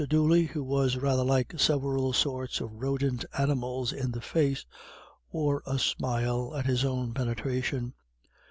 Dooley, who was rather like several sorts of rodent animals in the face, wore a smile at his own penetration.